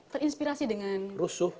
terinspirasi dengan rusuh